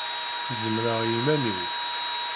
Zemreɣ i iman-iw.